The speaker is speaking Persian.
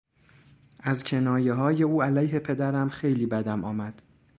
از کنایههای او علیه پدرم خیلی بدم آمد.